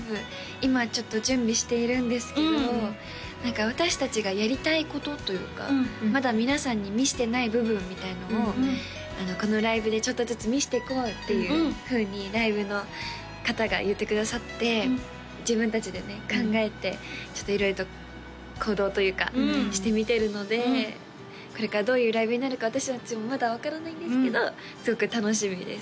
今ちょっと準備しているんですけど私達がやりたいことというかまだ皆さんに見せてない部分みたいなのをこのライブでちょっとずつ見せていこうっていうふうにライブの方が言ってくださって自分達でね考えてちょっと色々と行動というかしてみてるのでこれからどういうライブになるか私達もまだ分からないんですけどすごく楽しみです